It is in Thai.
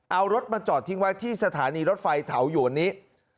เอารถมาจอดทิ้งไว้ที่สถานีรถไฟเถาอยู่อันนี้